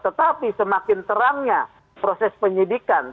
tetapi semakin terangnya proses penyidikan